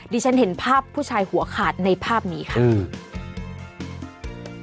ฉันเห็นภาพผู้ชายหัวขาดในภาพนี้ค่ะอืม